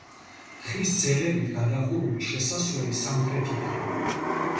ხის ძელებით გადახურული შესასვლელი სამხრეთითაა.